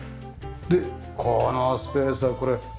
でこのスペースはこれ。